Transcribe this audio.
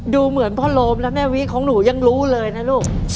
ดูเหมือนพ่อโลมและแม่วิของหนูยังรู้เลยนะลูก